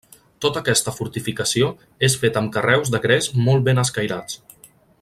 Tota aquesta fortificació és feta amb carreus de gres molt ben escairats.